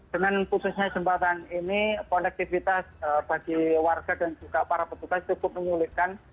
dengan khususnya jembatan ini konektivitas bagi warga dan juga para petugas cukup menyulitkan